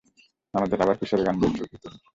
আমাদের আবার কিসের গান বলছ কি তুমি?